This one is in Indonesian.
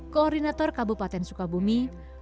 koordinator kabupaten sukabumi